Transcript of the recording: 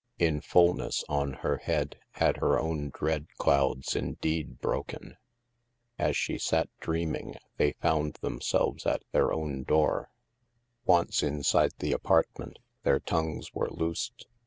In fullness on her head, had her own dread clouds indeed broken. As she sat dreaming, they found themselves at their own door. Once inside the apartment, their tongues were loosed.